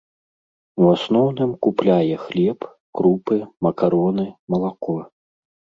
У асноўным купляе хлеб, крупы, макароны, малако.